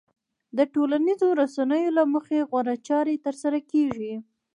د ټولنيزو رسنيو له مخې غوره چارې ترسره کېږي.